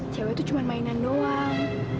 cewek itu cuma mainan doang